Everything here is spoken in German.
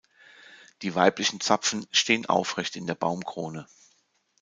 Die weiblichen Zapfen stehen aufrecht in der Baumkrone.